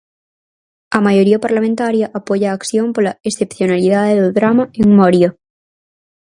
A maioría parlamentaria apoia a acción pola "excepcionalidade" do drama en Moria.